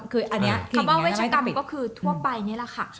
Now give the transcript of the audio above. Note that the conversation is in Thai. คำว่าเวชกรรมก็คือทั่วไปนี้แหละค่ะ